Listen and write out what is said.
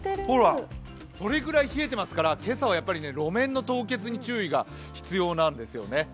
それぐらい冷えていますから今朝はやっぱり路面の凍結に注意が必要なんですよね。